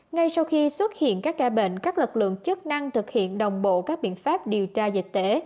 ngay sau khi xuất hiện các ca bệnh các lực lượng chức năng thực hiện đồng bộ các biện pháp điều tra dịch tễ